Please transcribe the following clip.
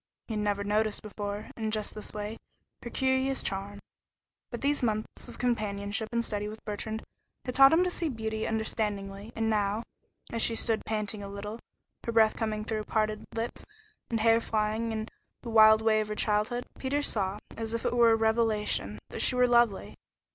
He had never noticed before, in just this way, her curious charm, but these months of companionship and study with Bertrand had taught him to see beauty understandingly, and now, as she stood panting a little, with breath coming through parted lips and hair flying almost in the wild way of her childhood, Peter saw, as if it were a revelation, that she was lovely.